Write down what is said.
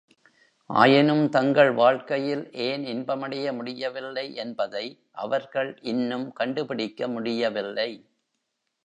ஆயினும் தங்கள் வாழ்க்கையில் ஏன் இன்பமடைய முடியவில்லை என்பதை அவர்கள் இன்னும் கண்டுபிடிக்க முடியவில்லை!